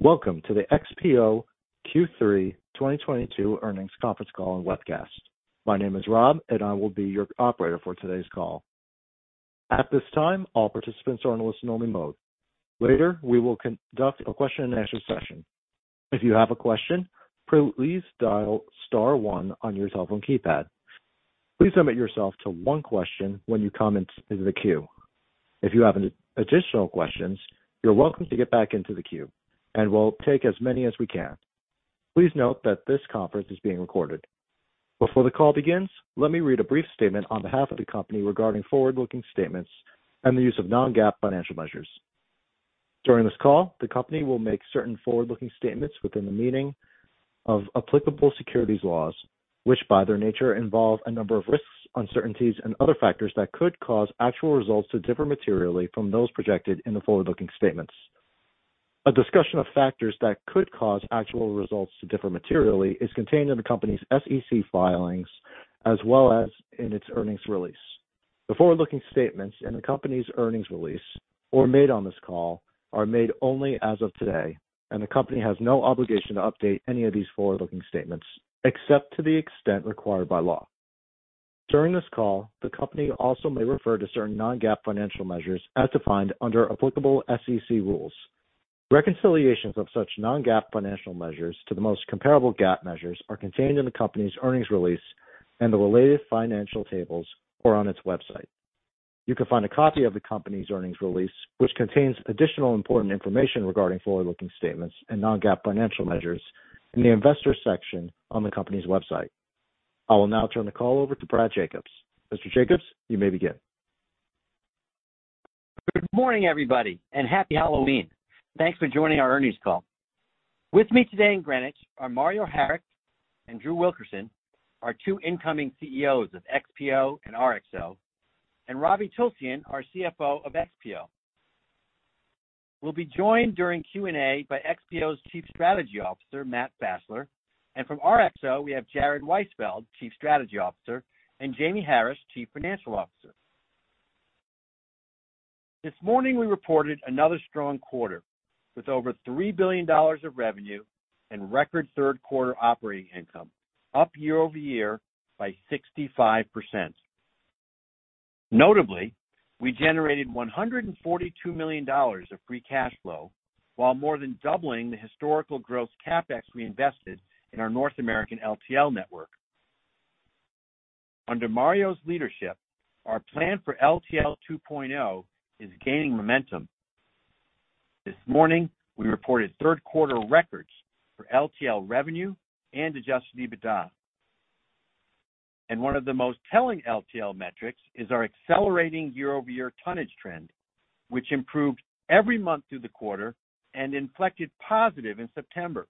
Welcome to the XPO Q3 2022 earnings conference call and webcast. My name is Rob, and I will be your operator for today's call. At this time, all participants are in a listen only mode. Later, we will conduct a question and answer session. If you have a question, please dial star one on your cell phone keypad. Please limit yourself to one question when you come into the queue. If you have any additional questions, you're welcome to get back into the queue and we'll take as many as we can. Please note that this conference is being recorded. Before the call begins, let me read a brief statement on behalf of the company regarding forward-looking statements, and the use of non-GAAP financial measures. During this call, the company will make certain forward-looking statements within the meaning of applicable securities laws, which by their nature, involve a number of risks, uncertainties and other factors that could cause actual results to differ materially from those projected in the forward-looking statements. A discussion of factors that could cause actual results to differ materially is contained in the company's SEC filings as well as in its earnings release. The forward-looking statements in the company's earnings release or made on this call are made only as of today, and the company has no obligation to update any of these forward-looking statements except to the extent required by law. During this call, the company also may refer to certain non-GAAP financial measures as defined under applicable SEC rules. Reconciliations of such non-GAAP financial measures to the most comparable GAAP measures are contained in the company's earnings release, and the related financial tables or on its website. You can find a copy of the company's earnings release, which contains additional important information regarding forward-looking statements, and non-GAAP financial measures in the investor section on the company's website. I will now turn the call over to Brad Jacobs. Mr. Jacobs, you may begin. Good morning, everybody, and Happy Halloween. Thanks for joining our earnings call. With me today in Greenwich are Mario Harik and Drew Wilkerson, our two incoming CEOs of XPO and RXO, and Ravi Tulsyan, our CFO of XPO. We'll be joined during Q&A by XPO's Chief Strategy Officer, Matt Fassler. From RXO, we have Jared Weisfeld, Chief Strategy Officer, and Jamie Harris, Chief Financial Officer. This morning, we reported another strong quarter with over $3 billion of revenue and record third quarter operating income, up year-over-year by 65%. Notably, we generated $142 million of free cash flow while more than doubling the historical gross CapEx we invested in our North American LTL network. Under Mario's leadership, our plan for LTL 2.0 is gaining momentum. This morning, we reported third quarter records for LTL revenue and adjusted EBITDA. One of the most telling LTL metrics is our accelerating year-over-year tonnage trend, which improved every month through the quarter, and inflected positive in September.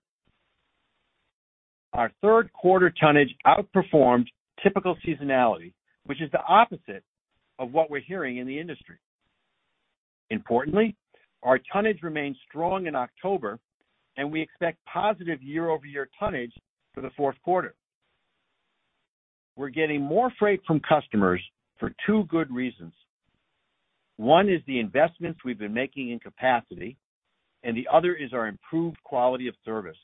Our third quarter tonnage outperformed typical seasonality, which is the opposite of what we're hearing in the industry. Importantly, our tonnage remains strong in October, and we expect positive year-over-year tonnage for the fourth quarter. We're getting more freight from customers for two good reasons. One is the investments we've been making in capacity, and the other is our improved quality of service.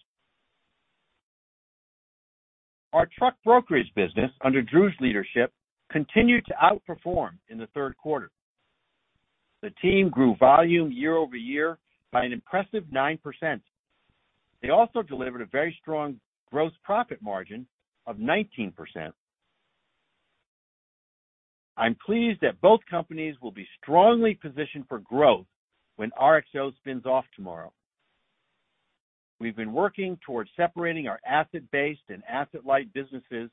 Our truck brokerage business under Drew's leadership continued to outperform in the third quarter. The team grew volume year-over-year by an impressive 9%. They also delivered a very strong gross profit margin of 19%. I'm pleased that both companies will be strongly positioned for growth when RXO spins off tomorrow. We've been working towards separating our asset-based and asset-light businesses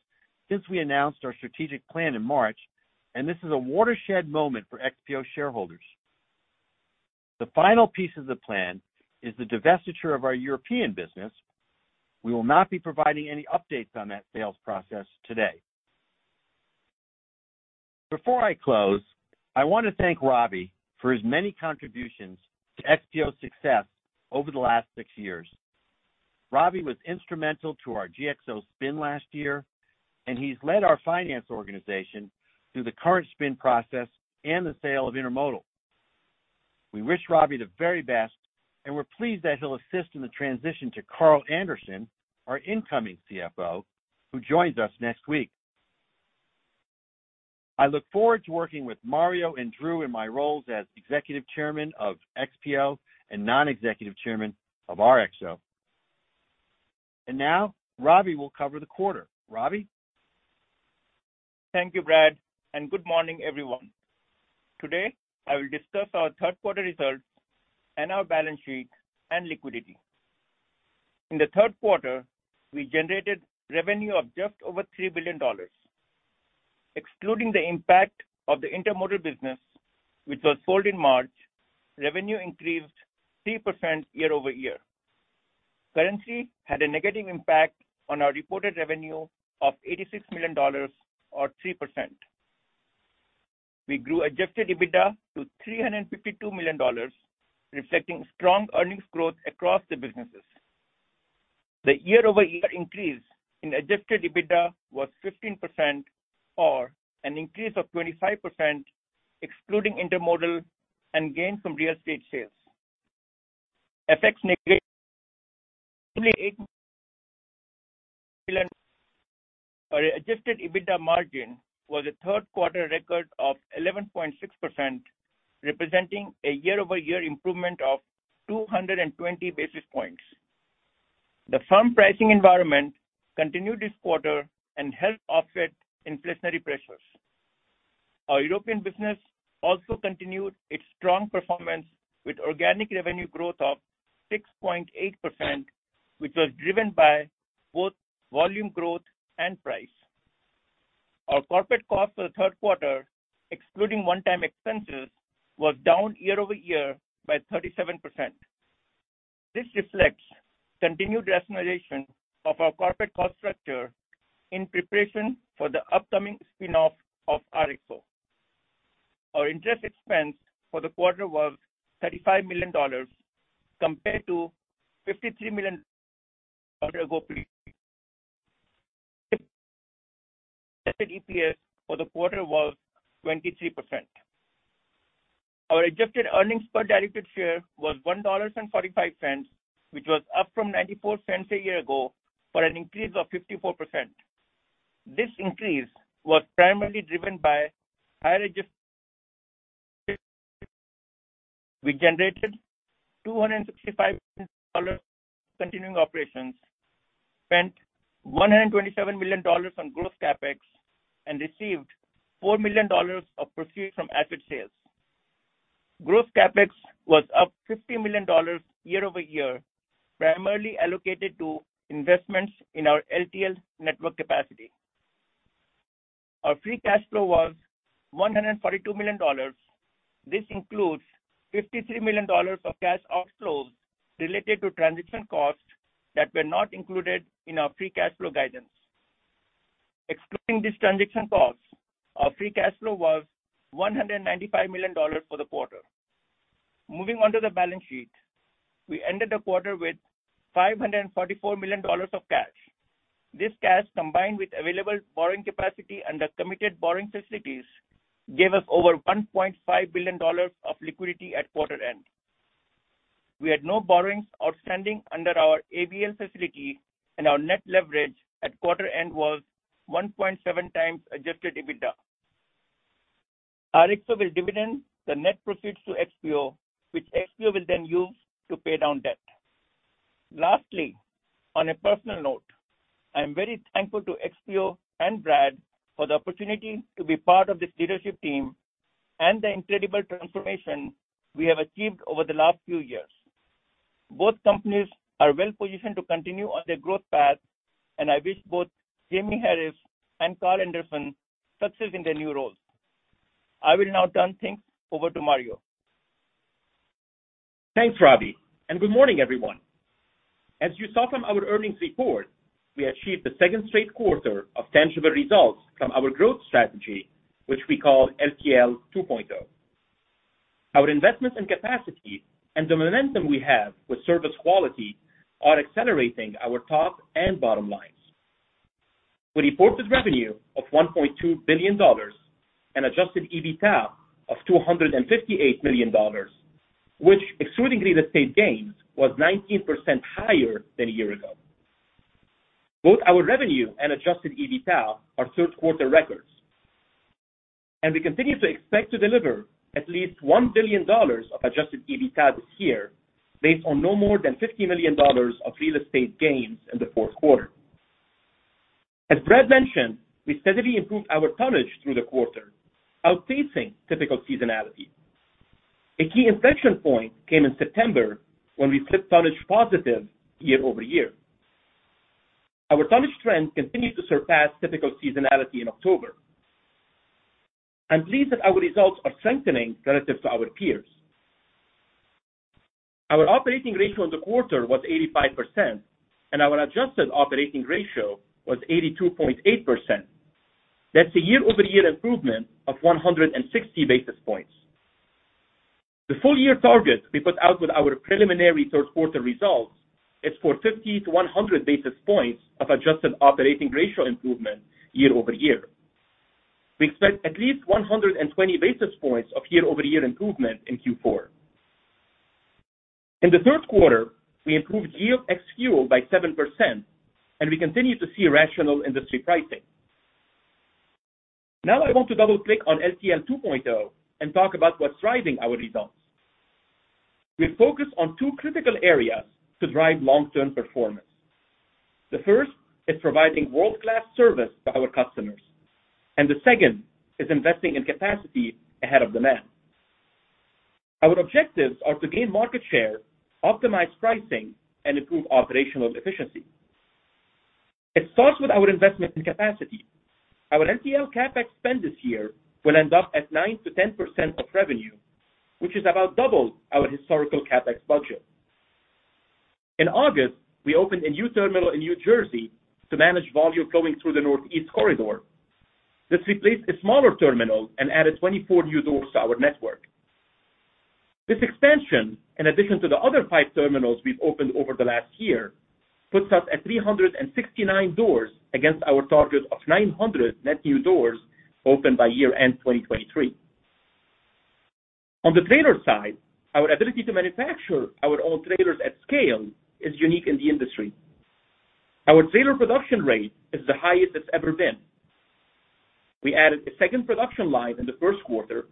since we announced our strategic plan in March, and this is a watershed moment for XPO shareholders. The final piece of the plan is the divestiture of our European business. We will not be providing any updates on that sales process today. Before I close, I want to thank Ravi for his many contributions to XPO's success over the last six years. Ravi was instrumental to our GXO spin last year, and he's led our finance organization through the current spin process and the sale of intermodal. We wish Ravi the very best, and we're pleased that he'll assist in the transition to Carl Anderson, our incoming CFO, who joins us next week. I look forward to working with Mario and Drew in my roles as Executive Chairman of XPO and Non-Executive Chairman of RXO. Now Ravi will cover the quarter. Ravi? Thank you, Brad, and good morning, everyone. Today, I will discuss our third quarter results, and our balance sheet and liquidity. In the third quarter, we generated revenue of just over $3 billion. Excluding the impact of the intermodal business, which was sold in March, revenue increased 3% year-over-year. Currency had a negative impact on our reported revenue of $86 million or 3%. We grew Adjusted EBITDA to $352 million, reflecting strong earnings growth across the businesses. The year-over-year increase in Adjusted EBITDA was 15% or an increase of 25% excluding intermodal and gain from real estate sales. Our Adjusted EBITDA margin was a third quarter record of 11.6%, representing a year-over-year improvement of 220 basis points. The firm pricing environment continued this quarter and helped offset inflationary pressures. Our European business also continued its strong performance with organic revenue growth of 6.8%, which was driven by both volume growth and price. Our corporate cost for the third quarter, excluding one-time expenses, was down year-over-year by 37%. This reflects continued rationalization of our corporate cost structure in preparation for the upcoming spin-off of RXO. Our interest expense for the quarter was $35 million compared to $53 million a year ago. EPS for the quarter was 23%. Our adjusted earnings per diluted share was $1.45, which was up from $0.94 a year ago, for an increase of 54%. This increase was primarily driven by higher adjusted. We generated $265 million continuing operations, spent $127 million on growth CapEx, and received $4 million of proceeds from asset sales. Growth CapEx was up $50 million year-over-year, primarily allocated to investments in our LTL network capacity. Our free cash flow was $142 million. This includes $53 million of cash outflows related to transition costs that were not included in our free cash flow guidance. Excluding these transition costs, our free cash flow was $195 million for the quarter. Moving on to the balance sheet. We ended the quarter with $544 million of cash. This cash, combined with available borrowing capacity under committed borrowing facilities, gave us over $1.5 billion of liquidity at quarter end. We had no borrowings outstanding under our ABL facility, and our net leverage at quarter end was 1.7x adjusted EBITDA. RXO will dividend the net proceeds to XPO, which XPO will then use to pay down debt. Lastly, on a personal note, I am very thankful to XPO and Brad for the opportunity to be part of this leadership team, and the incredible transformation we have achieved over the last few years. Both companies are well-positioned to continue on their growth path, and I wish both Jamie Harris and Carl Anderson success in their new roles. I will now turn things over to Mario. Thanks, Ravi, and good morning, everyone. As you saw from our earnings report, we achieved the second straight quarter of tangible results from our growth strategy, which we call LTL 2.0. Our investments in capacity and the momentum we have with service quality are accelerating our top and bottom lines. We reported revenue of $1.2 billion, an Adjusted EBITDA of $258 million, which excluding real estate gains was 19% higher than a year ago. Both our revenue and Adjusted EBITDA are third quarter records. We continue to expect to deliver at least $1 billion of Adjusted EBITDA this year based on no more than $50 million of real estate gains in the fourth quarter. As Brad mentioned, we steadily improved our tonnage through the quarter, outpacing typical seasonality. A key inflection point came in September when we flipped tonnage positive year-over-year. Our tonnage trend continued to surpass typical seasonality in October. I'm pleased that our results are strengthening relative to our peers. Our operating ratio in the quarter was 85%, and our adjusted operating ratio was 82.8%. That's a year-over-year improvement of 160 basis points. The full year target we put out with our preliminary third quarter results is for 50-100 basis points of adjusted operating ratio improvement year-over-year. We expect at least 120 basis points of year-over-year improvement in Q4. In the third quarter, we improved yield ex-fuel by 7%, and we continue to see rational industry pricing. Now I want to double click on LTL 2.0 and talk about what's driving our results. We focus on two critical areas to drive long-term performance. The first is providing world-class service to our customers, and the second is investing in capacity ahead of demand. Our objectives are to gain market share, optimize pricing, and improve operational efficiency. It starts with our investment in capacity. Our LTL CapEx spend this year will end up at 9%-10% of revenue, which is about double our historical CapEx budget. In August, we opened a new terminal in New Jersey to manage volume going through the Northeast Corridor. This replaced a smaller terminal and added 24 new doors to our network. This expansion, in addition to the other five terminals we've opened over the last year, puts us at 369 doors against our target of 900 net new doors opened by year-end 2023. On the trailer side, our ability to manufacture our own trailers at scale is unique in the industry. Our trailer production rate is the highest it's ever been. We added a second production line in the first quarter,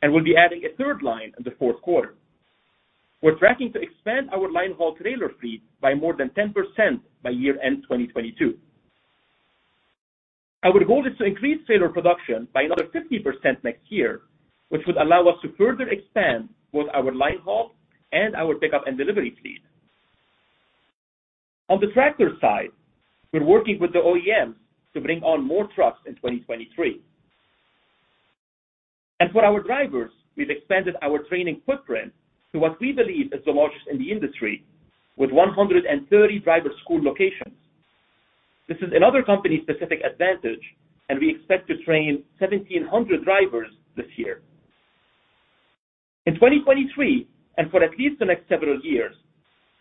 and we'll be adding a third line in the fourth quarter. We're tracking to expand our line haul trailer fleet by more than 10% by year-end 2022. Our goal is to increase trailer production by another 50% next year, which would allow us to further expand both our line haul, and our pickup and delivery fleet. On the tractor side, we're working with the OEMs to bring on more trucks in 2023. For our drivers, we've expanded our training footprint to what we believe is the largest in the industry with 130 driver school locations. This is another company-specific advantage, and we expect to train 1,700 drivers this year. In 2023, and for at least the next several years,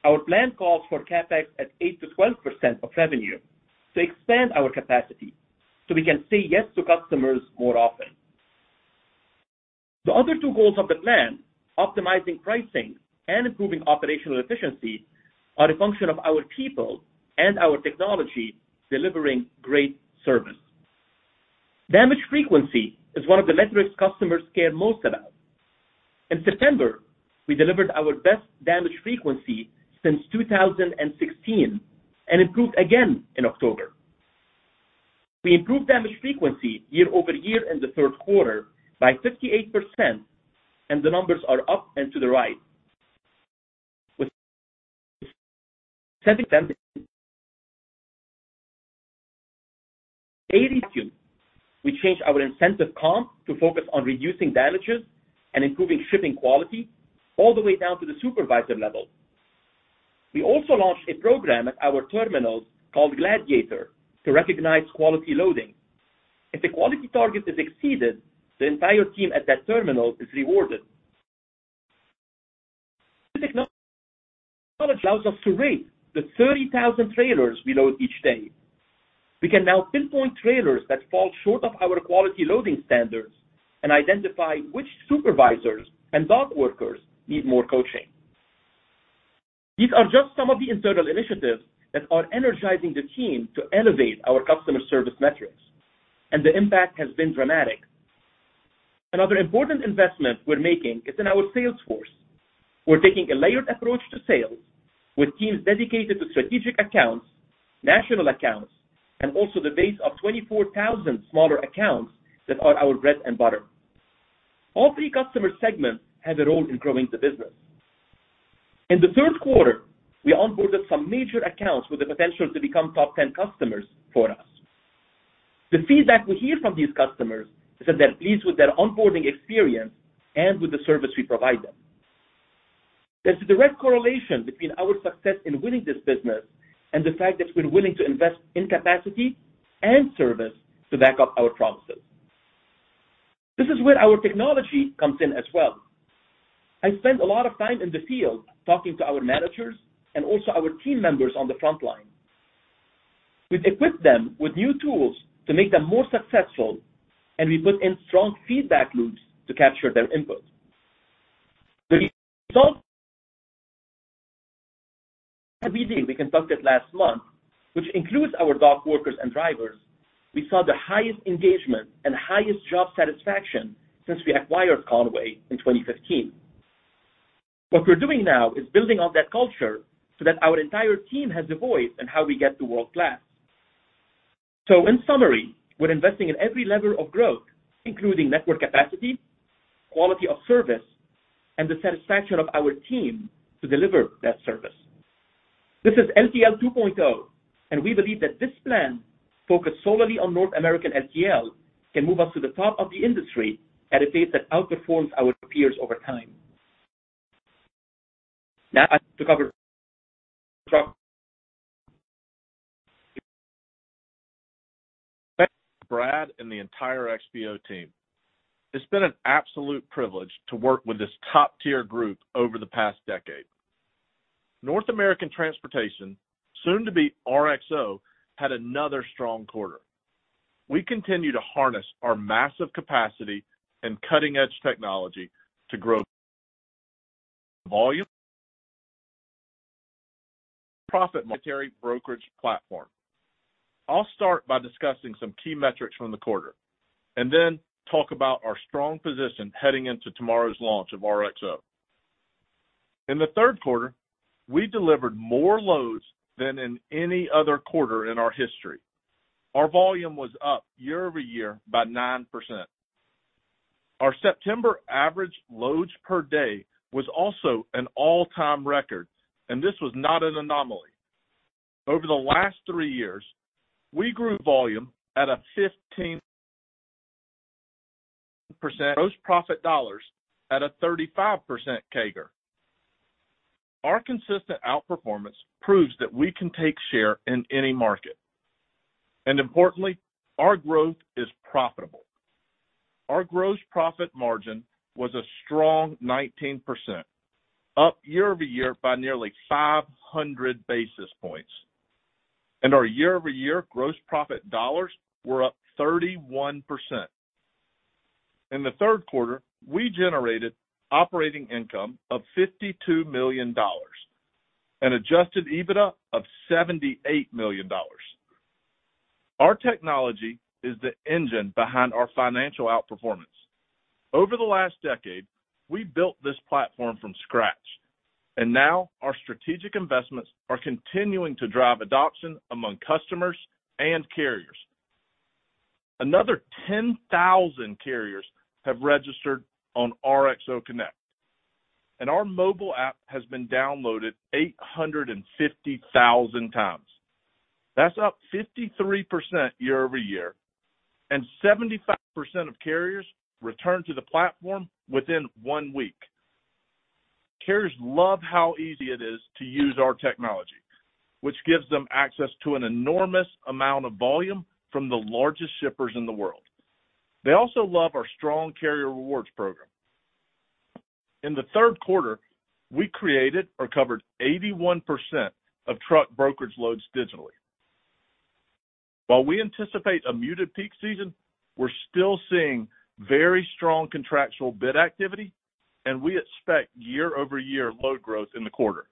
our plan calls for CapEx at 8%-12% of revenue to expand our capacity, so we can say yes to customers more often. The other two goals of the plan, optimizing pricing and improving operational efficiency, are a function of our people and our technology delivering great service. Damage frequency is one of the metrics customers care most about. In September, we delivered our best damage frequency since 2016 and improved again in October. We improved damage frequency year over year in the third quarter by 58%, and the numbers are up and to the right. We changed our incentive comp to focus on reducing damages and improving shipping quality all the way down to the supervisor level. We also launched a program at our terminals called Gladiator to recognize quality loading. If the quality target is exceeded, the entire team at that terminal is rewarded. Allows us to rate the 30,000 trailers we load each day. We can now pinpoint trailers that fall short of our quality loading standards, and identify which supervisors and dock workers need more coaching. These are just some of the internal initiatives that are energizing the team to elevate our customer service metrics, and the impact has been dramatic. Another important investment we're making is in our sales force. We're taking a layered approach to sales with teams dedicated to strategic accounts, national accounts, and also the base of 24,000 smaller accounts that are our bread and butter. All three customer segments have a role in growing the business. In the third quarter, we onboarded some major accounts with the potential to become top 10 customers for us. The feedback we hear from these customers is that they're pleased with their onboarding experience and with the service we provide them. There's a direct correlation between our success in winning this business, and the fact that we're willing to invest in capacity and service to back up our promises. This is where our technology comes in as well. I spend a lot of time in the field talking to our managers and also our team members on the front line. We've equipped them with new tools to make them more successful, and we put in strong feedback loops to capture their input. We conducted last month, which includes our dock workers and drivers, we saw the highest engagement and highest job satisfaction since we acquired Con-way in 2015. What we're doing now is building on that culture so that our entire team has a voice in how we get to world-class. In summary, we're investing in every lever of growth, including network capacity, quality of service, and the satisfaction of our team to deliver that service. This is LTL 2.0, and we believe that this plan, focused solely on North American LTL, can move us to the top of the industry at a pace that outperforms our peers over time. Now I'll hand it to Carl. Brad and the entire XPO team. It's been an absolute privilege to work with this top-tier group over the past decade. North American Transportation, soon to be RXO, had another strong quarter. We continue to harness our massive capacity and cutting-edge technology to grow volume profit modern brokerage platform. I'll start by discussing some key metrics from the quarter, and then talk about our strong position heading into tomorrow's launch of RXO. In the third quarter, we delivered more loads than in any other quarter in our history. Our volume was up year-over-year by 9%. Our September average loads per day was also an all-time record, and this was not an anomaly. Over the last three years, we grew volume at a 15% gross profit dollars at a 35% CAGR. Our consistent outperformance proves that we can take share in any market. Importantly, our growth is profitable. Our gross profit margin was a strong 19%, up year-over-year by nearly 500 basis points. Our year-over-year gross profit dollars were up 31%. In the third quarter, we generated operating income of $52 million, an adjusted EBITDA of $78 million. Our technology is the engine behind our financial outperformance. Over the last decade, we built this platform from scratch, and now our strategic investments are continuing to drive adoption among customers and carriers. Another 10,000 carriers have registered on RXO Connect, and our mobile app has been downloaded 850,000 times. That's up 53% year-over-year, and 75% of carriers return to the platform within one week. Carriers love how easy it is to use our technology, which gives them access to an enormous amount of volume from the largest shippers in the world. They also love our strong carrier rewards program. In the third quarter, we created or covered 81% of truck brokerage loads digitally. While we anticipate a muted peak season, we're still seeing very strong contractual bid activity, and we expect year-over-year load growth in the quarter.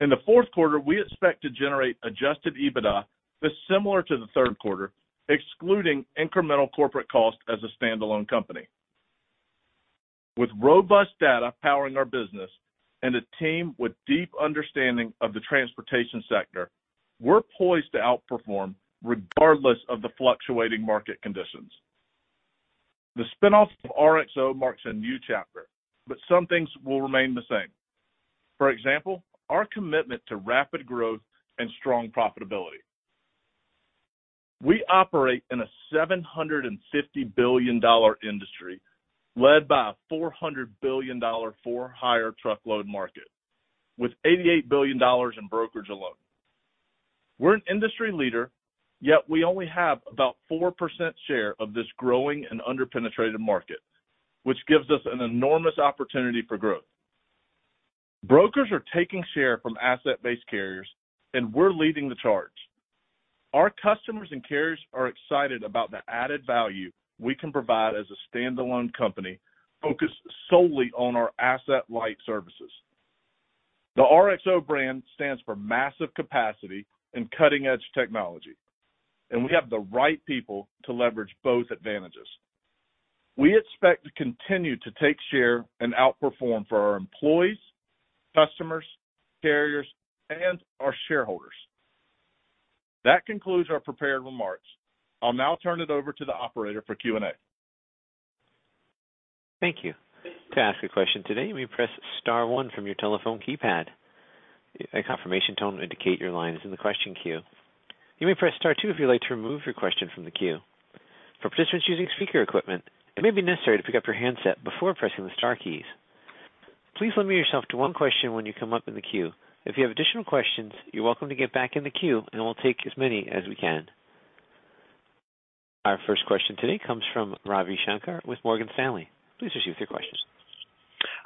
In the fourth quarter, we expect to generate Adjusted EBITDA that's similar to the third quarter, excluding incremental corporate costs as a standalone company. With robust data powering our business and a team with deep understanding of the transportation sector, we're poised to outperform regardless of the fluctuating market conditions. The spin-off of RXO marks a new chapter, but some things will remain the same. For example, our commitment to rapid growth and strong profitability. We operate in a $750 billion industry led by a $400 billion for-hire truckload market with $88 billion in brokerage alone. We're an industry leader, yet we only have about 4% share of this growing and under-penetrated market, which gives us an enormous opportunity for growth. Brokers are taking share from asset-based carriers, and we're leading the charge. Our customers and carriers are excited about the added value we can provide as a standalone company focused solely on our asset-light services. The RXO brand stands for massive capacity and cutting-edge technology, and we have the right people to leverage both advantages. We expect to continue to take share and outperform for our employees, customers, carriers, and our shareholders. That concludes our prepared remarks. I'll now turn it over to the operator for Q&A. Thank you. To ask a question today, you may press star one from your telephone keypad. A confirmation tone will indicate your line is in the question queue. You may press star two if you'd like to remove your question from the queue. For participants using speaker equipment, it may be necessary to pick up your handset before pressing the star keys. Please limit yourself to one question when you come up in the queue. If you have additional questions, you're welcome to get back in the queue, and we'll take as many as we can. Our first question today comes from Ravi Shanker with Morgan Stanley. Please proceed with your questions.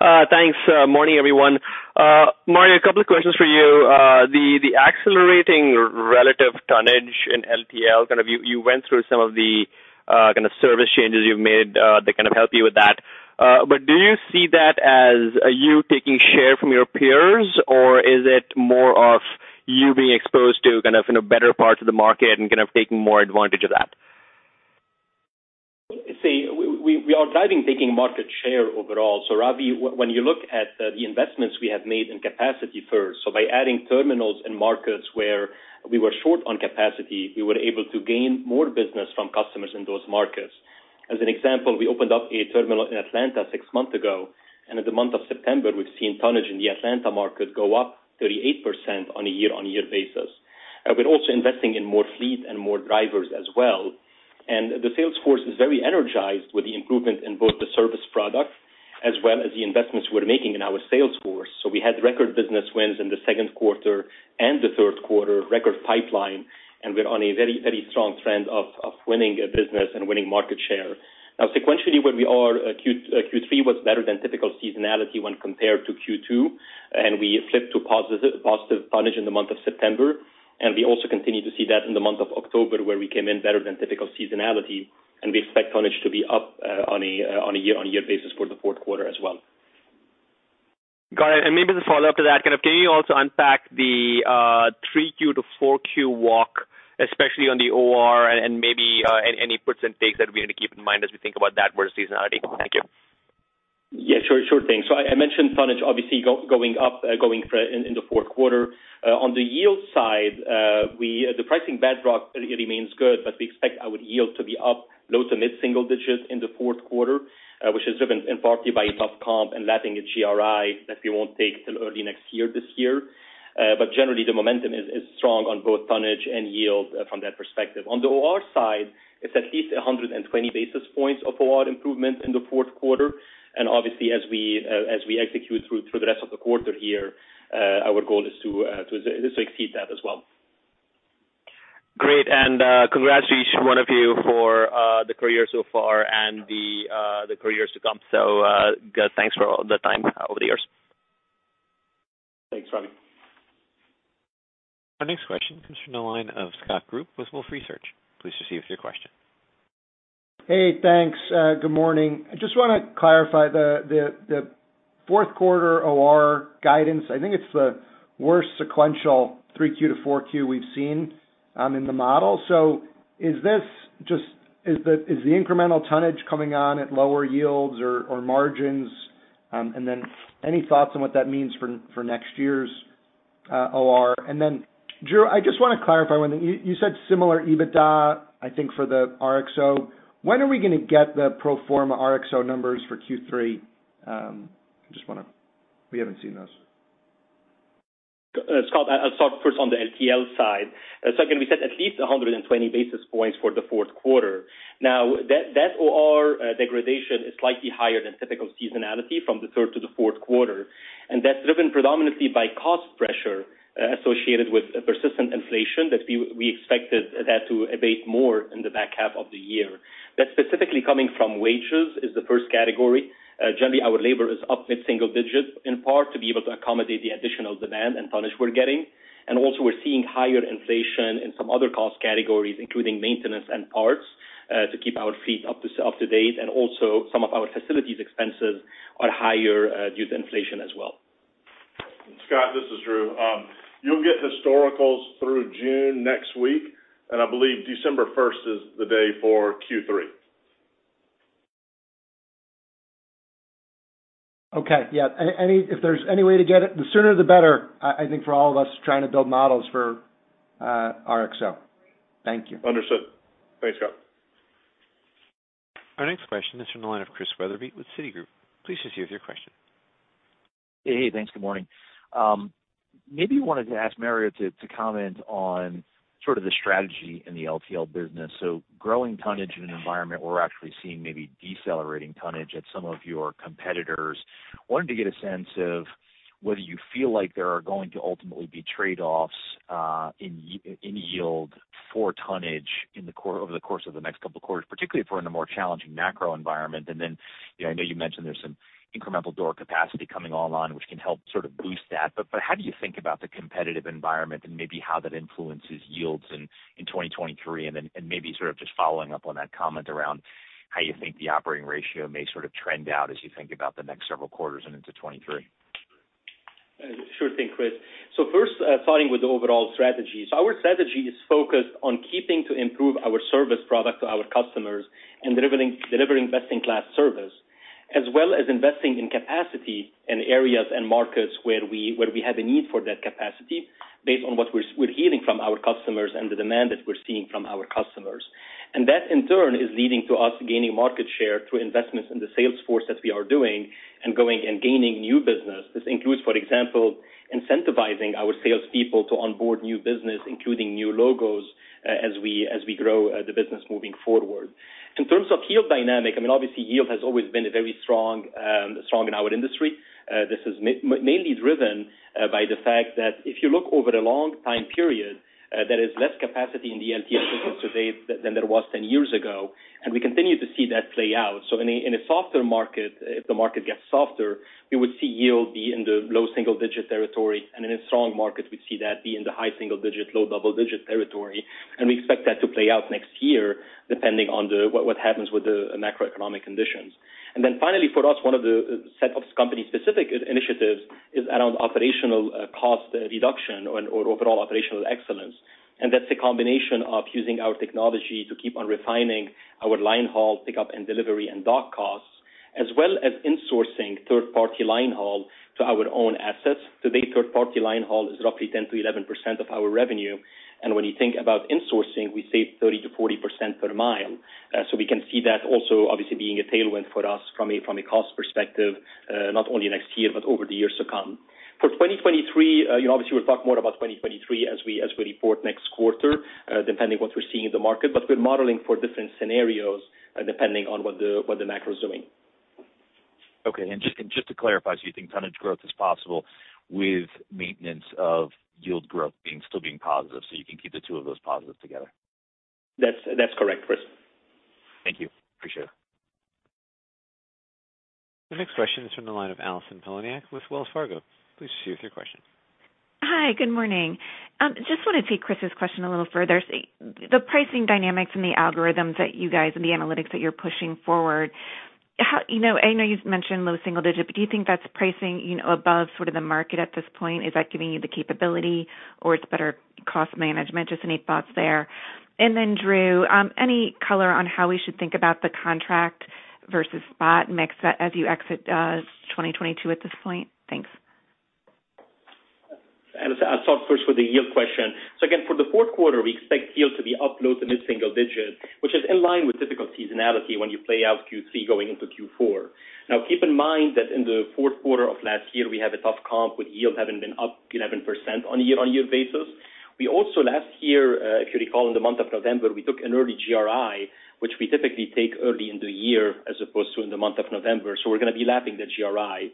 Thanks. Morning, everyone. Mario, a couple of questions for you. The accelerating relative tonnage in LTL, kind of you went through some of the kind of service changes you've made that kind of help you with that. But do you see that as you taking share from your peers, or is it more of you being exposed to kind of, you know, better parts of the market and kind of taking more advantage of that? See, we are driving, taking market share overall. Ravi, when you look at the investments we have made in capacity first, by adding terminals in markets where we were short on capacity, we were able to gain more business from customers in those markets. As an example, we opened up a terminal in Atlanta six months ago, and in the month of September, we've seen tonnage in the Atlanta market go up 38% on a year-on-year basis. We're also investing in more fleet and more drivers as well. The sales force is very energized with the improvements in both the service product as well as the investments we're making in our sales force. We had record business wins in the second quarter and the third quarter, record pipeline, and we're on a very, very strong trend of winning business and winning market share. Now, sequentially, where we are, Q3 was better than typical seasonality when compared to Q2, and we flipped to positive tonnage in the month of September. We also continue to see that in the month of October, where we came in better than typical seasonality, and we expect tonnage to be up on a year-on-year basis for the fourth quarter as well. Got it. Maybe just a follow-up to that, kind of can you also unpack the 3Q to 4Q walk, especially on the OR, and maybe any puts and takes that we're gonna keep in mind as we think about that versus seasonality? Thank you. Yeah, sure thing. I mentioned tonnage obviously going up in the fourth quarter. On the yield side, the pricing bedrock remains good, but we expect our yield to be up low- to mid-single digits in the fourth quarter, which is driven in part by a tough comp and lapping a GRI that we won't take till early next year this year. Generally the momentum is strong on both tonnage and yield from that perspective. On the OR side, it's at least 120 basis points of OR improvement in the fourth quarter. Obviously, as we execute through the rest of the quarter here, our goal is to exceed that as well. Great. Congrats to each one of you for the career so far and the careers to come. Good. Thanks for all the time over the years. Thanks, Ravi. Our next question comes from the line of Scott Group with Wolfe Research. Please proceed with your question. Hey, thanks. Good morning. I just want to clarify the fourth quarter OR guidance. I think it's the worst sequential 3Q to 4Q we've seen in the model. Is this just the incremental tonnage coming on at lower yields or margins? Any thoughts on what that means for next year's OR? Drew, I just want to clarify one thing. You said similar EBITDA, I think, for the RXO. When are we going to get the pro forma RXO numbers for Q3? I just want to. We haven't seen those. Scott, I'll start first on the LTL side. Again, we said at least 120 basis points for the fourth quarter. Now, that OR degradation is slightly higher than typical seasonality from the third to the fourth quarter, and that's driven predominantly by cost pressure associated with persistent inflation that we expected that to abate more in the back half of the year. That's specifically coming from wages is the first category. Generally, our labor is up mid-single digit in part to be able to accommodate the additional demand and tonnage we're getting. We're seeing higher inflation in some other cost categories, including maintenance and parts to keep our fleet up to date. Some of our facilities expenses are higher due to inflation as well. Scott, this is Drew. You'll get historicals through June next week, and I believe December first is the day for Q3. Okay. Yeah. Anyway, if there's any way to get it, the sooner the better, I think for all of us trying to build models for RXO. Thank you. Understood. Thanks, Scott. Our next question is from the line of Christian Wetherbee with Citigroup. Please proceed with your question. Hey. Thanks. Good morning. Maybe wanted to ask Mario Harik to comment on sort of the strategy in the LTL business. Growing tonnage in an environment where we're actually seeing maybe decelerating tonnage at some of your competitors. Wanted to get a sense of whether you feel like there are going to ultimately be trade-offs in yield for tonnage over the course of the next couple of quarters, particularly if we're in a more challenging macro environment. You know, I know you mentioned there's some incremental door capacity coming online, which can help sort of boost that, but how do you think about the competitive environment and maybe how that influences yields in 2023? Maybe sort of just following up on that comment around how you think the operating ratio may sort of trend out as you think about the next several quarters and into 2023. Sure thing, Chris. First, starting with the overall strategy. Our strategy is focused on continuing to improve our service product to our customers and delivering best-in-class service, as well as investing in capacity in areas and markets where we have a need for that capacity based on what we're hearing from our customers and the demand that we're seeing from our customers. That, in turn, is leading to us gaining market share through investments in the sales force that we are doing and gaining new business. This includes, for example, incentivizing our salespeople to onboard new business, including new logos, as we grow the business moving forward. In terms of yield dynamic, I mean, obviously, yield has always been a very strong in our industry. This is mainly driven by the fact that if you look over the long time period, there is less capacity in the LTL system today than there was 10 years ago, and we continue to see that play out. In a softer market, if the market gets softer, we would see yield be in the low single digit territory. In a strong market, we'd see that be in the high single digit, low double digit territory. We expect that to play out next year, depending on what happens with the macroeconomic conditions. Then finally, for us, one of the set of company specific initiatives is around operational cost reduction or overall operational excellence. That's a combination of using our technology to keep on refining our line-haul pickup and delivery and dock costs, as well as insourcing third-party line-haul to our own assets. Today, third-party line-haul is roughly 10%-11% of our revenue. When you think about insourcing, we save 30%-40% per mile. So we can see that also obviously being a tailwind for us from a cost perspective, not only next year, but over the years to come. For 2023, you know, obviously we'll talk more about 2023 as we report next quarter, depending on what we're seeing in the market. We're modeling for different scenarios, depending on what the macro is doing. Okay. Just to clarify, so you think tonnage growth is possible with maintenance of yield growth still being positive, so you can keep the two of those positives together? That's correct, Chris. Thank you. Appreciate it. The next question is from the line of Allison Poliniak-Cusic with Wells Fargo. Please proceed with your question. Hi. Good morning. Just wanna take Chris's question a little further. The pricing dynamics and the algorithms that you guys and the analytics that you're pushing forward, how you know, I know you've mentioned low single digit, but do you think that's pricing, you know, above sort of the market at this point? Is that giving you the capability or it's better cost management? Just any thoughts there. Then Drew, any color on how we should think about the contract versus spot mix as you exit 2022 at this point? Thanks. Again, for the fourth quarter, we expect yield to be up low- to mid-single-digit, which is in line with difficult seasonality when you play out Q3 going into Q4. Now, keep in mind that in the fourth quarter of last year, we had a tough comp with yield having been up 11% on a year-on-year basis. We also, last year, if you recall, in the month of November, we took an early GRI, which we typically take early in the year as opposed to in the month of November. We're gonna be lapping the GRI.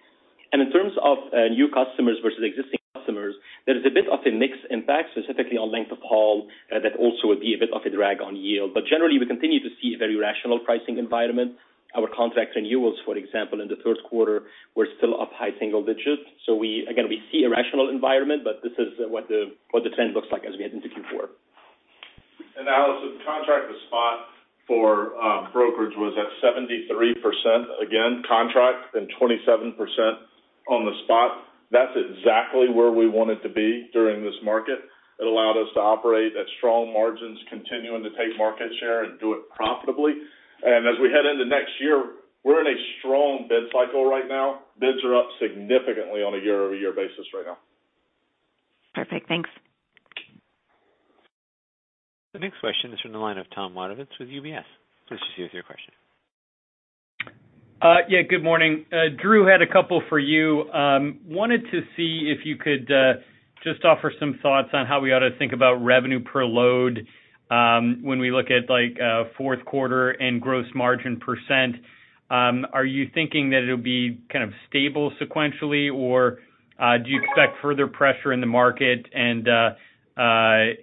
In terms of new customers versus existing customers, there is a bit of a mix impact, specifically on length of haul, that also would be a bit of a drag on yield. Generally, we continue to see a very rational pricing environment. Our contract renewals, for example, in the third quarter, were still up high single digits. We again see a rational environment, but this is what the trend looks like as we head into Q4. Allison, contract to spot for brokerage was at 73%, again, contract, and 27% on the spot. That's exactly where we want it to be during this market. It allowed us to operate at strong margins, continuing to take market share and do it profitably. As we head into next year, we're in a strong bid cycle right now. Bids are up significantly on a year-over-year basis right now. Perfect. Thanks. The next question is from the line of Tom Wadewitz with UBS. Please proceed with your question. Yeah, good morning. Drew, had a couple for you. Wanted to see if you could just offer some thoughts on how we ought to think about revenue per load, when we look at, like, fourth quarter and gross margin %. Are you thinking that it'll be kind of stable sequentially, or do you expect further pressure in the market and,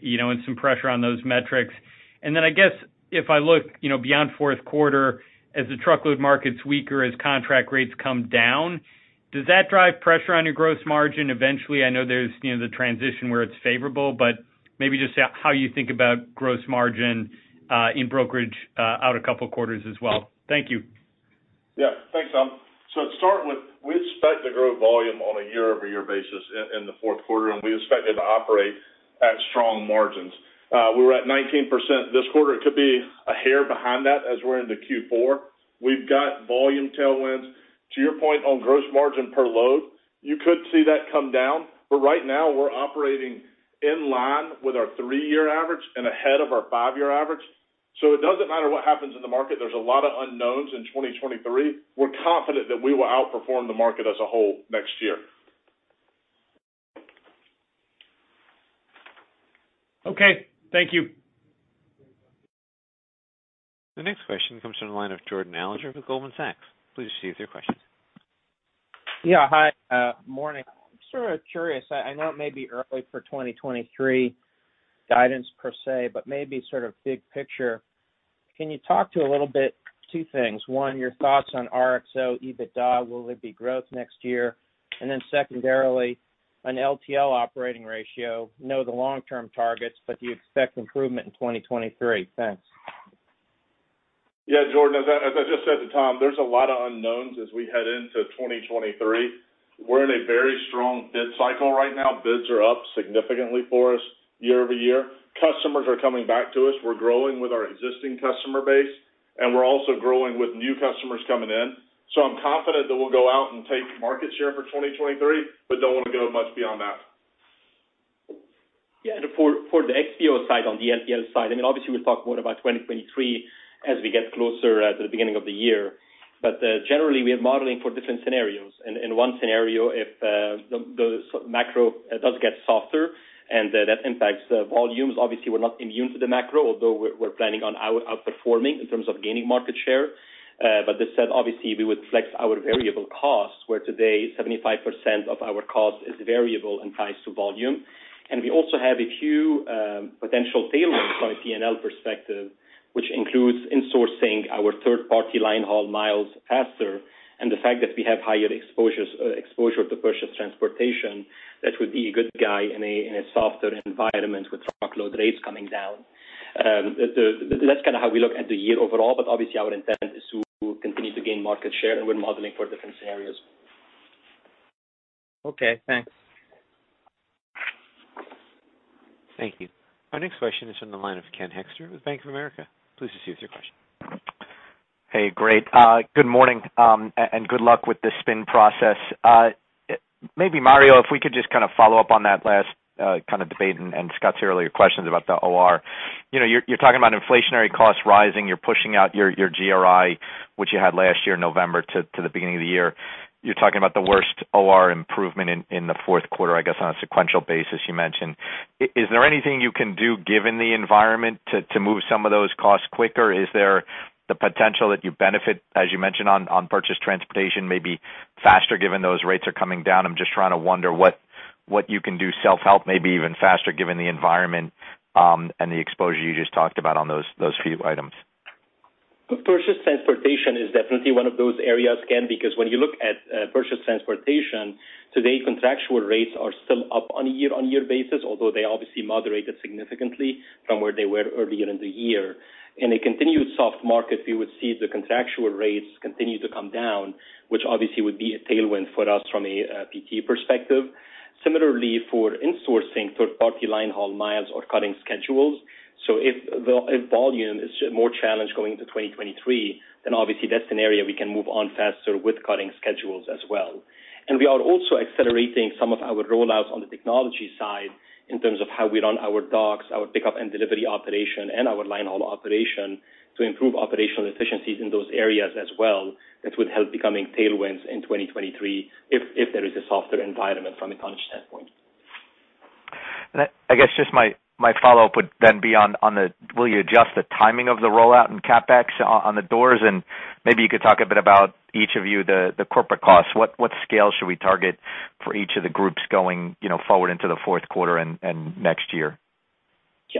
you know, and some pressure on those metrics? Then I guess if I look, you know, beyond fourth quarter as the truckload market's weaker, as contract rates come down, does that drive pressure on your gross margin eventually? I know there's, you know, the transition where it's favorable, but maybe just how you think about gross margin in brokerage out a couple quarters as well. Thank you. Yeah. Thanks, Tom. To start with, we expect to grow volume on a year-over-year basis in the fourth quarter, and we expect it to operate at strong margins. We were at 19% this quarter. It could be a hair behind that as we're into Q4. We've got volume tailwinds. To your point on gross margin per load, you could see that come down, but right now we're operating in line with our three-year average and ahead of our five-year average. It doesn't matter what happens in the market. There's a lot of unknowns in 2023. We're confident that we will outperform the market as a whole next year. Okay. Thank you. The next question comes from the line of Jordan Alliger with Goldman Sachs. Please proceed with your question. Yeah. Hi. Morning. Sort of curious, I know it may be early for 2023 guidance per se, but maybe sort of big picture. Can you talk a little bit about two things? One, your thoughts on RXO EBITDA, will there be growth next year? And then secondarily, on LTL operating ratio, I know the long-term targets, but do you expect improvement in 2023? Thanks. Yeah, Jordan, as I just said to Tom, there's a lot of unknowns as we head into 2023. We're in a very strong bid cycle right now. Bids are up significantly for us year over year. Customers are coming back to us. We're growing with our existing customer base, and we're also growing with new customers coming in. I'm confident that we'll go out and take market share for 2023, but don't want to go much beyond that. Yeah. For the XPO side, on the LTL side, I mean, obviously we'll talk more about 2023 as we get closer at the beginning of the year. Generally we are modeling for different scenarios. In one scenario, if the macro does get softer and that impacts the volumes, obviously we're not immune to the macro, although we're planning on outperforming in terms of gaining market share. That said, obviously we would flex our variable costs, where today 75% of our cost is variable and priced to volume. We also have a few potential tailwinds from a P&L perspective, which includes insourcing our third-party line haul miles faster, and the fact that we have higher exposure to purchased transportation, that would be a tailwind in a softer environment with truckload rates coming down. That's kinda how we look at the year overall, but obviously our intent is to continue to gain market share, and we're modeling for different scenarios. Okay, thanks. Thank you. Our next question is from the line of Ken Hoexter with Bank of America. Please proceed with your question. Hey. Great. Good morning, and good luck with the spin process. Maybe Mario, if we could just kind of follow up on that last kind of debate and Scott's earlier questions about the OR. You know, you're talking about inflationary costs rising. You're pushing out your GRI, which you had last year in November to the beginning of the year. You're talking about the worst OR improvement in the fourth quarter, I guess, on a sequential basis you mentioned. Is there anything you can do given the environment to move some of those costs quicker? Is there the potential that you benefit, as you mentioned on purchased transportation maybe faster given those rates are coming down? I'm just trying to wonder what you can do self-help, maybe even faster given the environment, and the exposure you just talked about on those few items. Purchased transportation is definitely one of those areas, Ken, because when you look at purchased transportation, today contractual rates are still up on a year-on-year basis, although they obviously moderated significantly from where they were earlier in the year. In a continued soft market, we would see the contractual rates continue to come down, which obviously would be a tailwind for us from a PT perspective. Similarly, for insourcing third-party line haul miles or cutting schedules. If volume is more challenged going into 2023, then obviously that's an area we can move on faster with cutting schedules as well. We are also accelerating some of our rollouts on the technology side in terms of how we run our docks, our pickup and delivery operation, and our line haul operation to improve operational efficiencies in those areas as well. That would help becoming tailwinds in 2023 if there is a softer environment from a tonnage standpoint. I guess just my follow-up would then be, will you adjust the timing of the rollout and CapEx on the doors? Maybe you could talk a bit about each of you, the corporate costs. What scale should we target for each of the groups going, you know, forward into the fourth quarter and next year?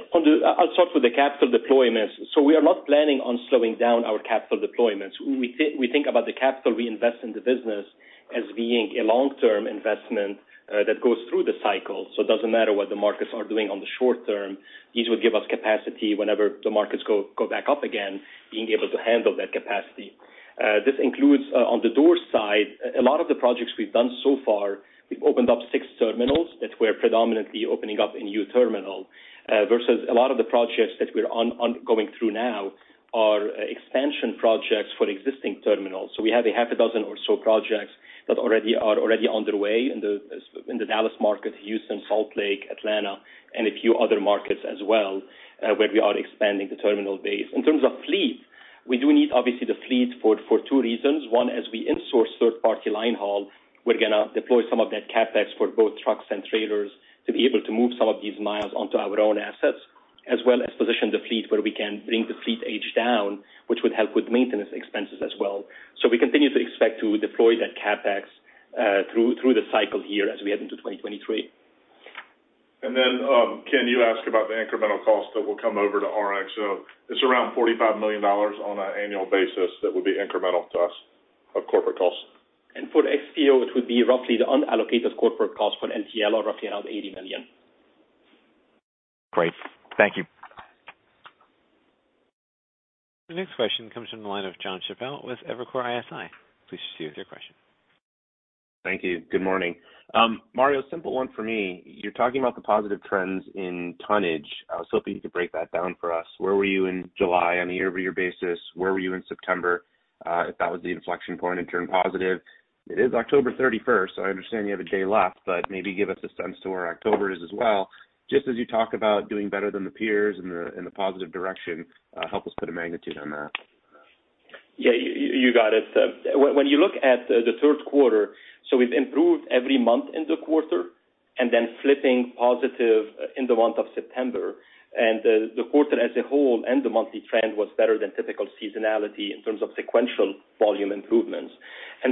I'll start with the capital deployments. We are not planning on slowing down our capital deployments. We think about the capital we invest in the business as being a long-term investment that goes through the cycle. It doesn't matter what the markets are doing on the short term. These would give us capacity whenever the markets go back up again, being able to handle that capacity. This includes, on the LTL side, a lot of the projects we've done so far. We've opened up six terminals that were predominantly new terminals versus a lot of the projects that we're going through now are expansion projects for existing terminals. We have a half a dozen or so projects that already are underway in the Dallas market, Houston, Salt Lake, Atlanta, and a few other markets as well, where we are expanding the terminal base. In terms of fleet, we do need obviously the fleet for two reasons. One, as we insource third-party line haul, we're gonna deploy some of that CapEx for both trucks and trailers to be able to move some of these miles onto our own assets, as well as position the fleet where we can bring the fleet age down, which would help with maintenance expenses as well. We continue to expect to deploy that CapEx through the cycle here as we head into 2023. Ken, you asked about the incremental cost that will come over to RXO. It's around $45 million on an annual basis that will be incremental to us of corporate costs. For XPO, it would be roughly the unallocated corporate cost for LTL of roughly around $80 million. Great. Thank you. The next question comes from the line of Jon Chappell with Evercore ISI. Please proceed with your question. Thank you. Good morning. Mario, simple one for me. You're talking about the positive trends in tonnage. I was hoping you could break that down for us. Where were you in July on a year-over-year basis? Where were you in September, if that was the inflection point and turned positive? It is October 31st, so I understand you have a day left, but maybe give us a sense to where October is as well. Just as you talk about doing better than the peers in the positive direction, help us put a magnitude on that. Yeah, you got it. When you look at the third quarter, so we've improved every month in the quarter and then flipping positive in the month of September. The quarter as a whole and the monthly trend was better than typical seasonality in terms of sequential volume improvements.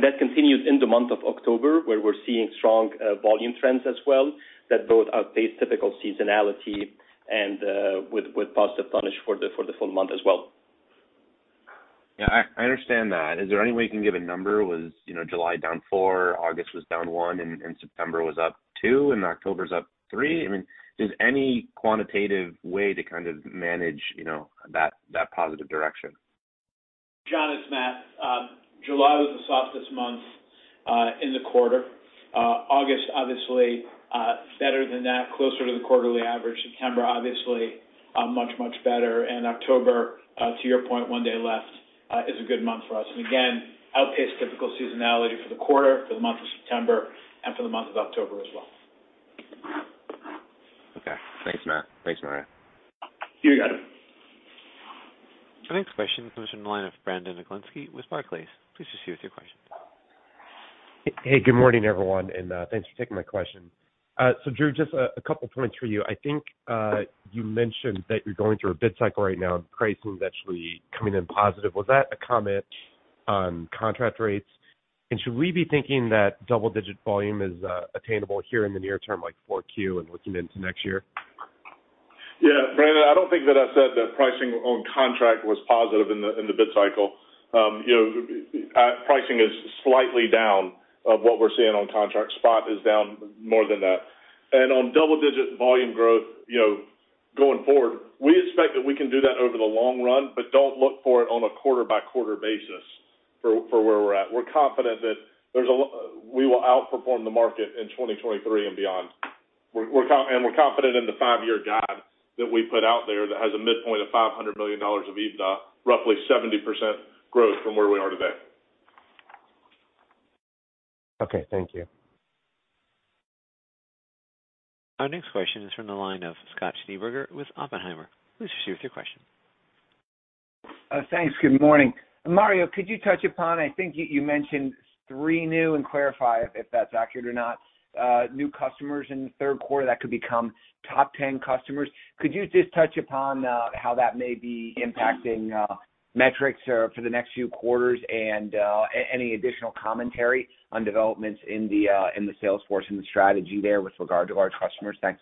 That continued in the month of October, where we're seeing strong volume trends as well that both outpaced typical seasonality and with positive tonnage for the full month as well. Yeah, I understand that. Is there any way you can give a number? Was, you know, July down 4%, August was down 1%, and September was up 2%, and October's up 3%? I mean, is any quantitative way to kind of manage, you know, that positive direction? John, it's Matt. July was the softest month in the quarter. August obviously better than that, closer to the quarterly average. September obviously much, much better. October to your point, one day left is a good month for us. Again, outpaced typical seasonality for the quarter, for the month of September, and for the month of October as well. Okay. Thanks, Matt. Thanks, Mario. You got it. The next question comes from the line of Brandon Oglenski with Barclays. Please proceed with your question. Hey, good morning, everyone, and thanks for taking my question. So Drew, just a couple points for you. I think you mentioned that you're going through a bid cycle right now, pricing is actually coming in positive. Was that a comment on contract rates? Should we be thinking that double digit volume is attainable here in the near term, like 4Q and looking into next year? Yeah. Brandon, I don't think that I said that pricing on contract was positive in the bid cycle. You know, pricing is slightly down from what we're seeing on contract. Spot is down more than that. On double-digit volume growth, you know, going forward, we expect that we can do that over the long run, but don't look for it on a quarter-by-quarter basis for where we're at. We're confident that we will outperform the market in 2023 and beyond. We're confident in the five-year guide that we put out there that has a midpoint of $500 million of EBITDA, roughly 70% growth from where we are today. Okay. Thank you. Our next question is from the line of Scott Schneeberger with Oppenheimer. Please proceed with your question. Thanks. Good morning. Mario, could you touch upon, I think you mentioned three new, and clarify if that's accurate or not, new customers in the third quarter that could become top 10 customers. Could you just touch upon, how that may be impacting, metrics, for the next few quarters and, any additional commentary on developments in the, in the sales force and the strategy there with regard to large customers? Thanks.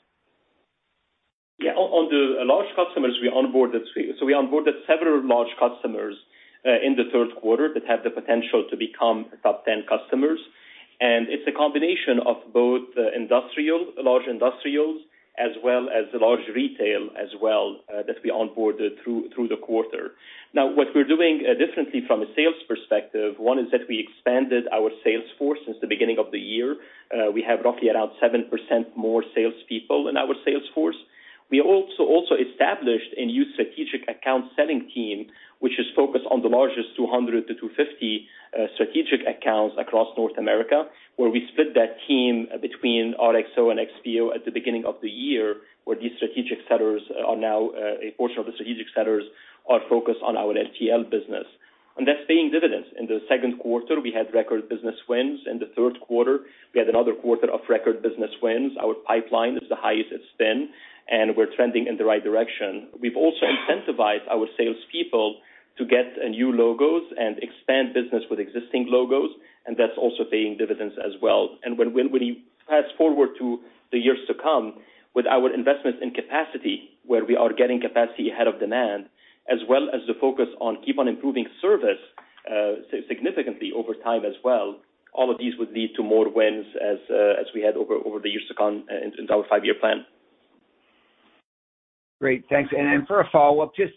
Yeah. On the large customers we onboarded. We onboarded several large customers in the third quarter that have the potential to become top 10 customers. It's a combination of both industrial, large industrials, as well as large retail as well, that we onboarded through the quarter. Now, what we're doing differently from a sales perspective, one is that we expanded our sales force since the beginning of the year. We have roughly around 7% more sales people in our sales force. We also established a new strategic account selling team, which is focused on the largest 200-250 strategic accounts across North America, where we split that team between RXO and XPO at the beginning of the year, where these strategic sellers are now a portion of the strategic sellers are focused on our LTL business. That's paying dividends. In the second quarter, we had record business wins. In the third quarter, we had another quarter of record business wins. Our pipeline is the highest it's been, and we're trending in the right direction. We've also incentivized our sales people to get new logos and expand business with existing logos, and that's also paying dividends as well. When we fast-forward to the years to come with our investments in capacity, where we are getting capacity ahead of demand, as well as the focus on keep on improving service, significantly over time as well, all of these would lead to more wins as we add over the years to come in our five-year plan. Great. Thanks. Then for a follow-up, just,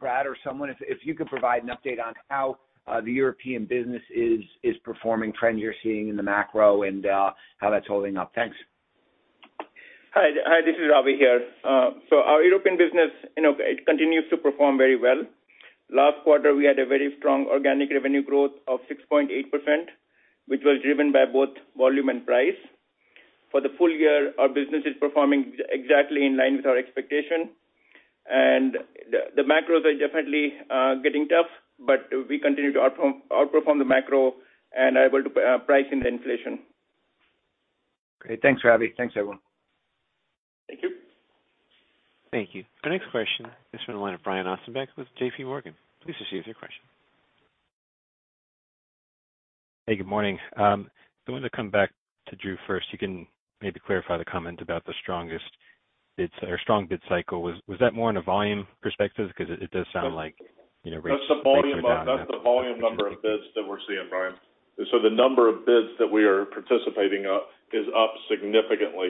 Brad or someone, if you could provide an update on how the European business is performing, trends you're seeing in the macro and how that's holding up. Thanks. Hi, this is Ravi here. So our European business, you know, it continues to perform very well. Last quarter, we had a very strong organic revenue growth of 6.8%, which was driven by both volume and price. For the full year, our business is performing exactly in line with our expectation. The macros are definitely getting tough, but we continue to outperform the macro and are able to price in the inflation. Great. Thanks, Ravi. Thanks, everyone. Thank you. Thank you. Our next question is from the line of Brian Ossenbeck with JPMorgan. Please proceed with your question. Hey, good morning. I wanted to come back to Drew first. You can maybe clarify the comment about the strongest bids or strong bid cycle. Was that more in a volume perspective? Because it does sound like, you know. That's the volume number of bids that we're seeing, Brian. The number of bids that we are participating is up significantly.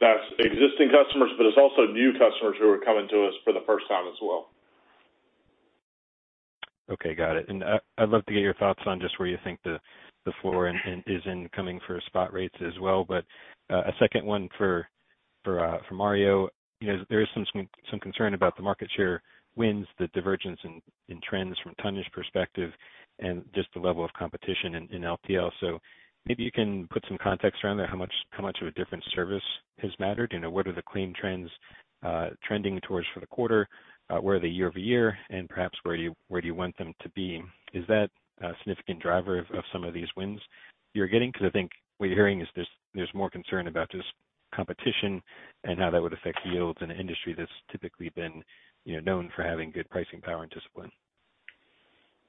That's existing customers, but it's also new customers who are coming to us for the first time as well. Okay, got it. I'd love to get your thoughts on just where you think the floor and ceiling is incoming for spot rates as well. A second one for Mario. You know, there is some concern about the market share wins, the divergence in trends from Tanya's perspective and just the level of competition in LTL. Maybe you can put some context around that, how much of a different service has mattered. You know, what are the claim trends trending towards for the quarter? Where are they year-over-year? Perhaps where do you want them to be? Is that a significant driver of some of these wins you're getting? Because I think what you're hearing is there's more concern about just competition and how that would affect yields in an industry that's typically been, you know, known for having good pricing power and discipline.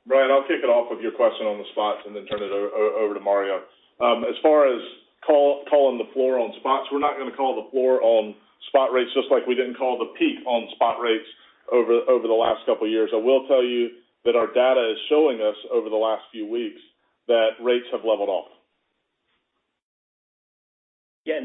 Brian, I'll kick it off with your question on the spots and then turn it over to Mario. As far as calling the floor on spots, we're not gonna call the floor on spot rates just like we didn't call the peak on spot rates over the last couple of years. I will tell you that our data is showing us over the last few weeks that rates have leveled off. Yeah.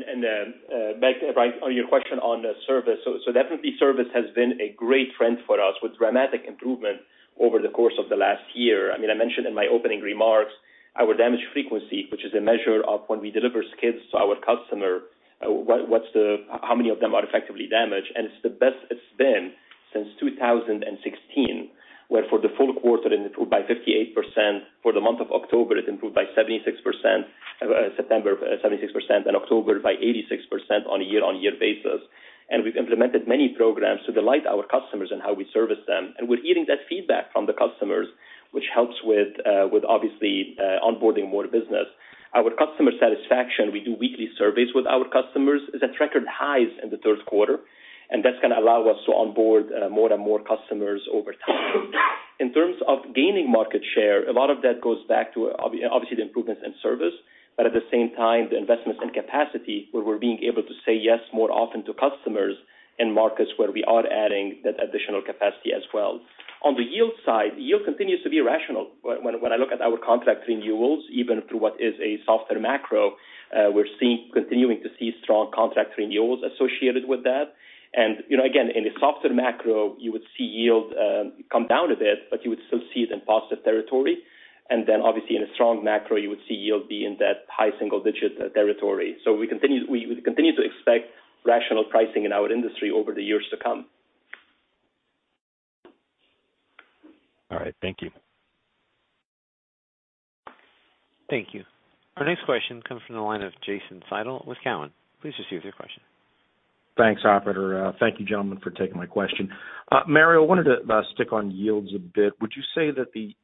Back, Brian, on your question on the service. Definitely service has been a great trend for us with dramatic improvement over the course of the last year. I mean, I mentioned in my opening remarks, our damage frequency, which is a measure of when we deliver skids to our customer, how many of them are effectively damaged, and it's the best it's been since 2016, where for the full quarter it improved by 58%. For the month of October, it improved by 76%. September, 76%, and October by 86% on a year-over-year basis. We've implemented many programs to delight our customers in how we service them. We're getting that feedback from the customers, which helps with obviously onboarding more business. Our customer satisfaction, we do weekly surveys with our customers, is at record highs in the third quarter, and that's gonna allow us to onboard more and more customers over time. In terms of gaining market share, a lot of that goes back to obviously, the improvements in service, but at the same time, the investments in capacity, where we're being able to say yes more often to customers in markets where we are adding that additional capacity as well. On the yield side, yield continues to be rational. When I look at our contract renewals, even through what is a softer macro, we're seeing, continuing to see strong contract renewals associated with that. You know, again, in a softer macro, you would see yield come down a bit, but you would still see it in positive territory. Obviously in a strong macro, you would see yield be in that high single digit territory. We continue to expect rational pricing in our industry over the years to come. All right. Thank you. Thank you. Our next question comes from the line of Jason Seidl with Cowen. Please proceed with your question. Thanks, operator. Thank you, gentlemen, for taking my question. Mario, I wanted to stick on yields a bit. Would you say that the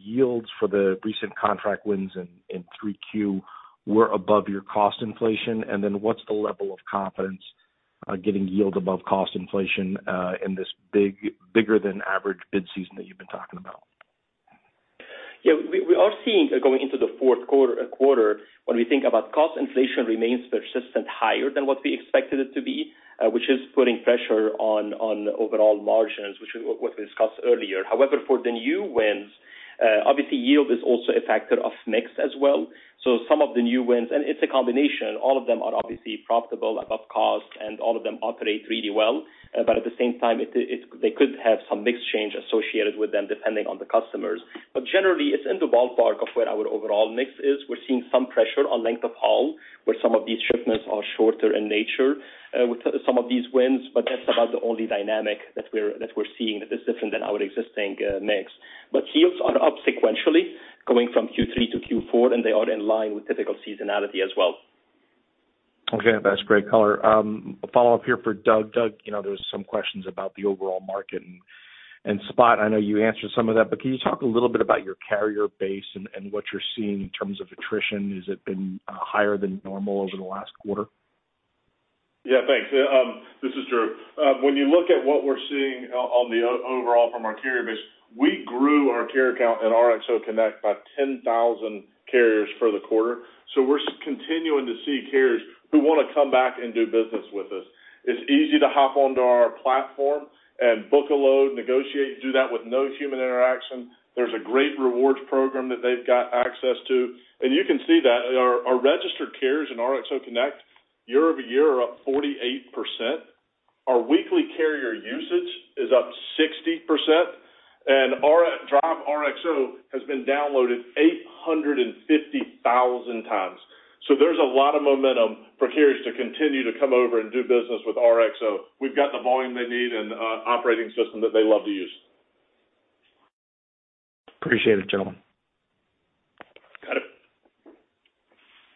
yields for the recent contract wins in 3Q were above your cost inflation? And then what's the level of confidence getting yield above cost inflation in this big, bigger than average bid season that you've been talking about? Yeah. We are seeing going into the fourth quarter, when we think about cost inflation remains persistent higher than what we expected it to be, which is putting pressure on overall margins, which, what we discussed earlier. However, for the new wins, obviously yield is also a factor of mix as well. Some of the new wins, and it's a combination, all of them are obviously profitable above cost, and all of them operate really well. At the same time, they could have some mix change associated with them depending on the customers. Generally, it's in the ballpark of where our overall mix is. We're seeing some pressure on length of haul, where some of these shipments are shorter in nature, with some of these wins. That's about the only dynamic that we're seeing that is different than our existing mix. Yields are up sequentially going from Q3 to Q4, and they are in line with typical seasonality as well. Okay, that's great color. A follow-up here for Drew Wilkerson. Drew Wilkerson, you know, there was some questions about the overall market, and Spot. I know you answered some of that, but can you talk a little bit about your carrier base and what you're seeing in terms of attrition? Has it been higher than normal over the last quarter? Yeah, thanks. This is Drew. When you look at what we're seeing on the overall from our carrier base, we grew our carrier count in RXO Connect by 10,000 carriers for the quarter. We're continuing to see carriers who wanna come back and do business with us. It's easy to hop onto our platform and book a load, negotiate, do that with no human interaction. There's a great rewards program that they've got access to. You can see that our registered carriers in RXO Connect year-over-year are up 48%. Our weekly carrier usage is up 60%, and RXO Drive has been downloaded 850,000 times. There's a lot of momentum for carriers to continue to come over and do business with RXO. We've got the volume they need, and operating system that they love to use. Appreciate it, gentlemen. Got it.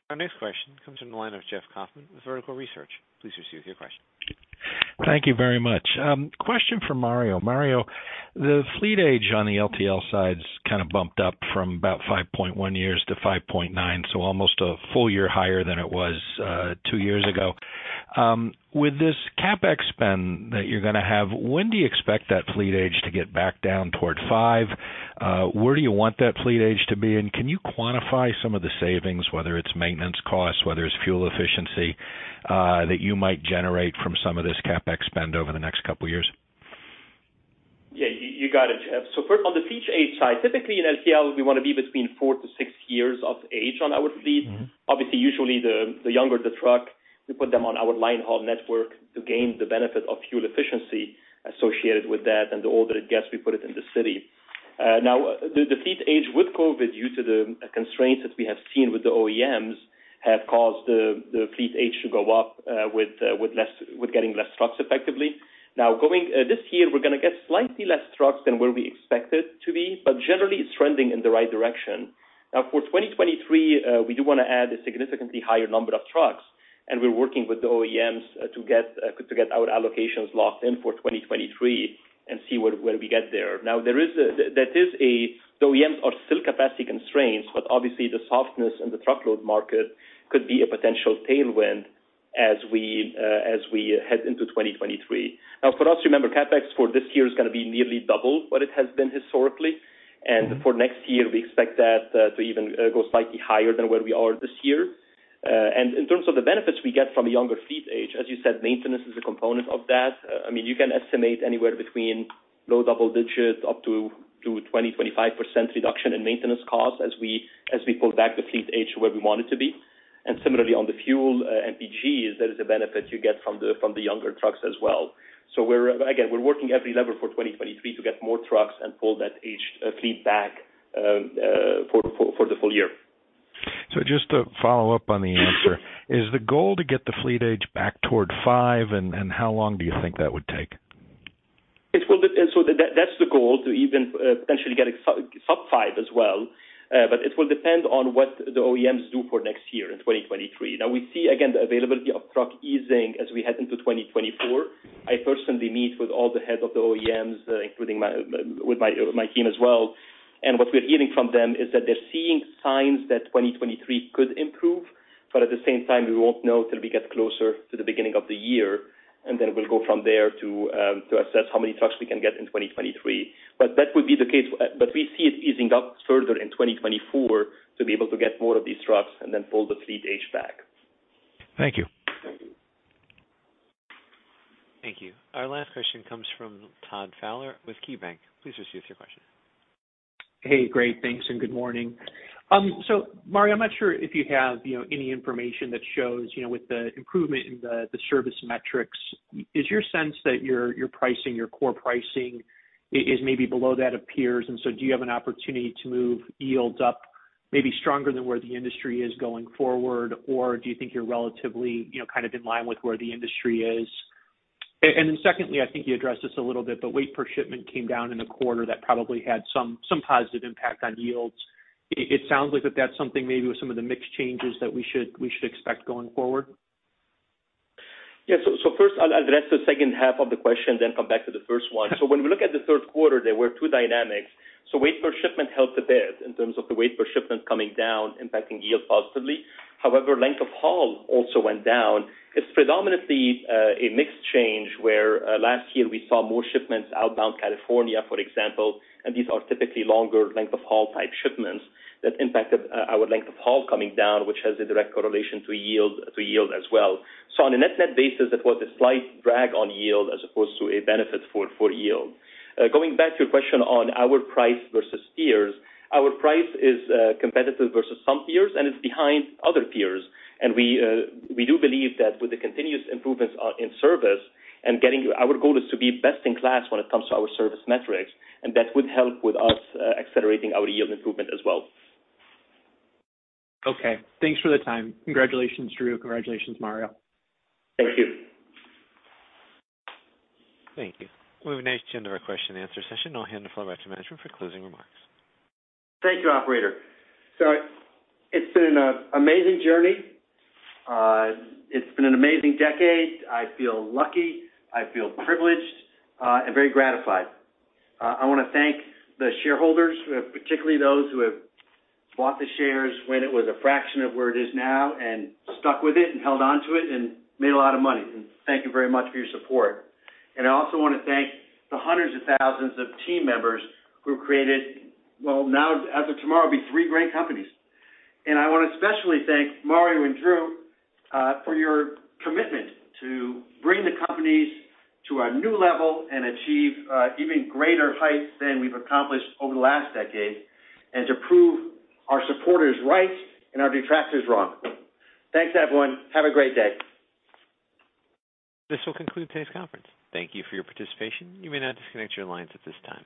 Our next question comes from the line of Jeff Kaufman with Vertical Research. Please proceed with your question. Thank you very much. Question for Mario. Mario, the fleet age on the LTL side's kind of bumped up from about 5.1 years to 5.9, so almost a full year higher than it was two years ago. With this CapEx spend that you're gonna have, when do you expect that fleet age to get back down toward five? Where do you want that fleet age to be? And can you quantify some of the savings, whether it's maintenance costs, whether it's fuel efficiency, that you might generate from some of this CapEx spend over the next couple years? Yeah, you got it, Jeff. First, on the fleet age side, typically in LTL, we wanna be between 4-6 years of age on our fleet. Mm-hmm. Obviously, usually the younger the truck, we put them on our line haul network to gain the benefit of fuel efficiency associated with that, and the older it gets, we put it in the city. Now, the fleet age with COVID, due to the constraints that we have seen with the OEMs, have caused the fleet age to go up, with getting less trucks effectively. Now going this year, we're gonna get slightly less trucks than where we expected to be, but generally it's trending in the right direction. Now for 2023, we do wanna add a significantly higher number of trucks, and we're working with the OEMs to get our allocations locked in for 2023 and see where we get there. The OEMs are still capacity constraints, but obviously the softness in the truckload market could be a potential tailwind as we head into 2023. Now for us, remember, CapEx for this year is gonna be nearly double what it has been historically. For next year, we expect that to even go slightly higher than where we are this year. In terms of the benefits we get from a younger fleet age, as you said, maintenance is a component of that. I mean, you can estimate anywhere between low double digits up to 20-25% reduction in maintenance costs as we pull back the fleet age to where we want it to be. Similarly, on the fuel, MPG, that is a benefit you get from the younger trucks as well. We're working every lever for 2023 to get more trucks and pull that age fleet back for the full year. Just to follow up on the answer, is the goal to get the fleet age back toward five, and how long do you think that would take? It will, that's the goal, to even potentially get it sub-five as well. It will depend on what the OEMs do for next year in 2023. Now we see again the availability of trucks easing as we head into 2024. I personally meet with all the heads of the OEMs, including with my team as well. What we're hearing from them is that they're seeing signs that 2023 could improve, but at the same time, we won't know till we get closer to the beginning of the year. Then we'll go from there to assess how many trucks we can get in 2023. That would be the case. We see it easing up further in 2024 to be able to get more of these trucks and then pull the fleet age back. Thank you. Thank you. Thank you. Our last question comes from Todd Fowler with KeyBanc. Please proceed with your question. Hey, great, thanks, and good morning. Mario Harik, I'm not sure if you have, you know, any information that shows, you know, with the improvement in the service metrics, is your sense that your pricing, your core pricing is maybe below that of peers? Do you have an opportunity to move yields up maybe stronger than where the industry is going forward, or do you think you're relatively, you know, kind of in line with where the industry is? Then secondly, I think you addressed this a little bit, but weight per shipment came down in the quarter. That probably had some positive impact on yields. It sounds like that's something maybe with some of the mix changes that we should expect going forward. Yeah. First I'll address the second half of the question, then come back to the first one. Okay. When we look at the third quarter, there were two dynamics. Weight per shipment helped a bit in terms of the weight per shipment coming down impacting yield positively. However, length of haul also went down. It's predominantly a mix change where last year we saw more shipments outbound California, for example, and these are typically longer length of haul type shipments that impacted our length of haul coming down, which has a direct correlation to yield as well. On a net-net basis, that was a slight drag on yield as opposed to a benefit for yield. Going back to your question on our price versus peers, our price is competitive versus some peers, and it's behind other peers. We do believe that with the continuous improvements in service and our goal is to be best in class when it comes to our service metrics, and that would help with us accelerating our yield improvement as well. Okay. Thanks for the time. Congratulations, Drew. Congratulations, Mario. Thank you. Thank you. We've reached the end of our question and answer session. Now I'll hand the floor back to management for closing remarks. Thank you, operator. It's been an amazing journey. It's been an amazing decade. I feel lucky, I feel privileged, and very gratified. I wanna thank the shareholders, particularly those who have bought the shares when it was a fraction of where it is now and stuck with it and held onto it and made a lot of money. Thank you very much for your support. I also wanna thank the hundreds of thousands of team members who have created, well, now as of tomorrow, it'll be three great companies. I wanna especially thank Mario Harik and Drew Wilkerson for your commitment to bring the companies to a new level and achieve even greater heights than we've accomplished over the last decade, and to prove our supporters right and our detractors wrong. Thanks, everyone. Have a great day. This will conclude today's conference. Thank you for your participation. You may now disconnect your lines at this time.